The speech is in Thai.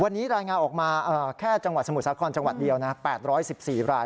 วันนี้รายง่าออกมาแค่สมุทรศักรณ์แต่อย่างเดียว๘๑๔ราย